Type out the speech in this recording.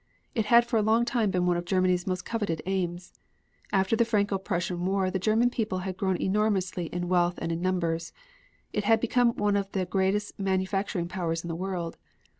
It had for a long time been one of Germany's most coveted aims. After the Franco Prussian war the German people had grown enormously in wealth and in numbers. It had become one of the greatest manufacturing powers in the world.